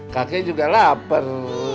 kakek juga lapar